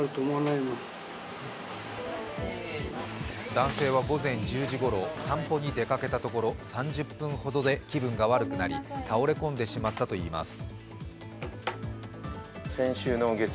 男性は午前１０時ごろ散歩に出かけたところ３０分ほどで気分が悪くなり倒れ込んでしまったといいます。